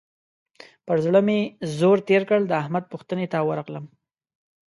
پر زړه مې زور تېر کړ؛ د احمد پوښتنې ته ورغلم.